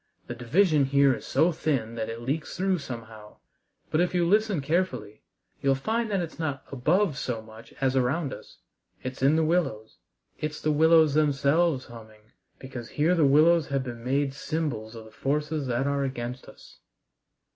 The division here is so thin that it leaks through somehow. But, if you listen carefully, you'll find it's not above so much as around us. It's in the willows. It's the willows themselves humming, because here the willows have been made symbols of the forces that are against us."